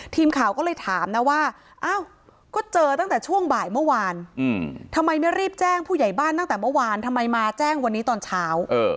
ทีมข่าวก็เลยถามนะว่าอ้าวก็เจอตั้งแต่ช่วงบ่ายเมื่อวานทำไมไม่รีบแจ้งผู้ใหญ่บ้านตั้งแต่เมื่อวานทำไมมาแจ้งวันนี้ตอนเช้า